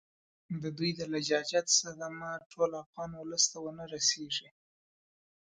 د دوی د لجاجت صدمه ټول افغان اولس ته ونه رسیږي.